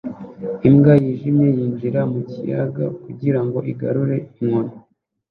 Imbwa yijimye yinjira mu kiyaga kugirango igarure inkoni